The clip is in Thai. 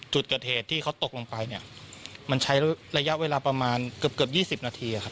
จุดเกิดเหตุที่เขาตกลงไปเนี่ยมันใช้ระยะเวลาประมาณเกือบ๒๐นาทีครับ